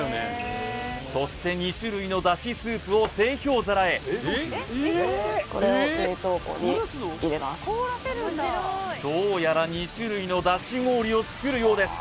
そして２種類の出汁スープを製氷皿へこれをどうやら２種類の出汁氷を作るようです